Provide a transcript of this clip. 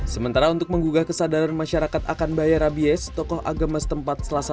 sementara untuk menggugah kesadaran masyarakat akan bahaya rabies tokoh agama setempat selasa